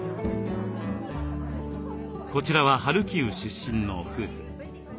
こちらはハルキウ出身の夫婦。